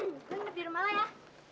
buang lebih rumah ya